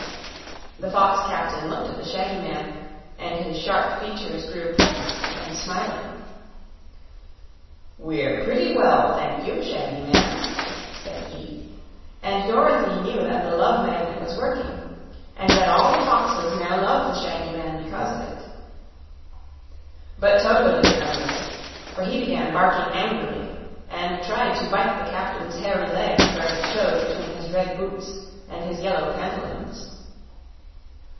The fox captain looked at the shaggy man, and his sharp features grew pleasant and smiling. "We're pretty well, thank you, Shaggy Man," said he; and Dorothy knew that the Love Magnet was working and that all the foxes now loved the shaggy man because of it. But Toto didn't know this, for he began barking angrily and tried to bite the captain's hairy leg where it showed between his red boots and his yellow pantaloons.